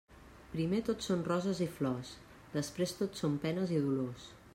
Primer tot són roses i flors, després tot són penes i dolors.